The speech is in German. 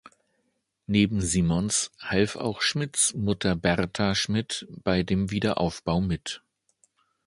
Neben Simons half auch Schmidts Mutter Berta Schmidt bei dem Wiederaufbau mit.